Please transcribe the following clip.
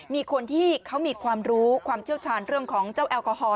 มีคนที่เขามีความรู้ความเชี่ยวชาญเรื่องของเจ้าแอลกอฮอล